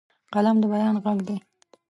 قلم د بیان غږ دی